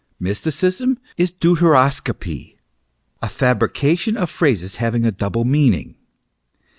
Mysticism is deuteroscopy a fabrication of phrases having a double meaning.